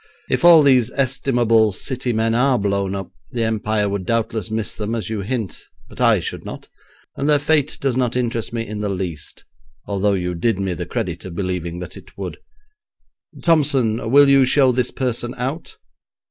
If all these estimable City men are blown up, the Empire would doubtless miss them, as you hint, but I should not, and their fate does not interest me in the least, although you did me the credit of believing that it would. Thompson, you will show this person out?